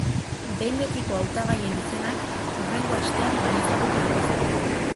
Behin betiko hautagaien izenak hurrengo astean baieztatuko dituzte.